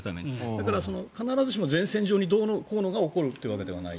だから、必ずしも前線上にどうのこうのが起きるわけではない。